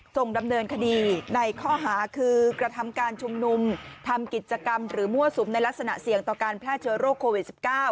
ส่งดำเนินคดีในข้อหาคือกระทำการชุมนุมทำกิจกรรมหรือมั่วสุมในลักษณะเสี่ยงต่อการแพร่เชื้อโรคโควิด๑๙